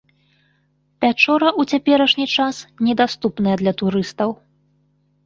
Пячора ў цяперашні час недаступная для турыстаў.